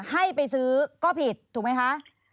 ให้ไปซื้อก็ผิดถูกไหมคะ